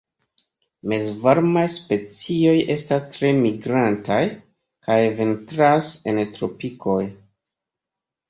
Mezvarmaj specioj estas tre migrantaj, kaj vintras en tropikoj.